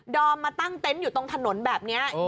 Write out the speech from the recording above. ดอมมาตั้งเต้นอยู่ตรงถนนแบบเนี้ยโอ้